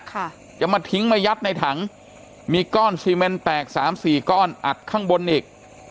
ค่ะจะมาทิ้งมายัดในถังมีก้อนซีเมนแตกสามสี่ก้อนอัดข้างบนอีก